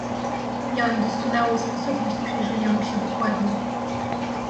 "Miałem doskonałą sposobność przyjrzenia mu się dokładnie."